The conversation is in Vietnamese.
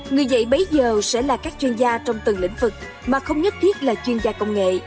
người dạy bây giờ sẽ là các chuyên gia trong từng lĩnh vực mà không nhất thiết là chuyên gia công nghệ